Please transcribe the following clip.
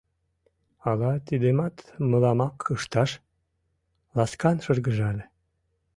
Ала тидымат мыламак ышташ? — ласкан шыргыжале.